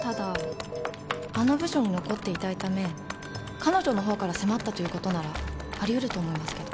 ただあの部署に残っていたいため彼女のほうから迫ったということならありうると思いますけど。